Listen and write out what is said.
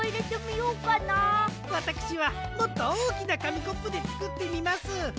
わたくしはもっとおおきなかみコップでつくってみます！